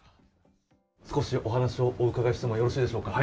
少しお話をお伺いしてもよろしいでしょうか？